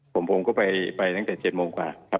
ผมผมก็ไปตั้งแต่๗โมงกว่าครับ